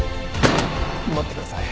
待ってください。